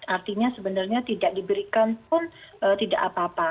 artinya sebenarnya tidak diberikan pun tidak apa apa